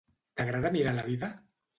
T'agrada mirar la vida?